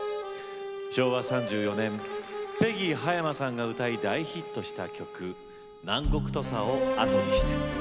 昭和３４年ペギー葉山さんが歌い大ヒットした曲「南国土佐を後にして」。